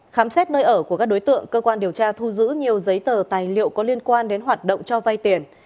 khám xét nơi ở của các đối tượng cơ quan điều tra thu giữ nhiều giấy tờ tài liệu có liên quan đến hoạt động cho vay tiền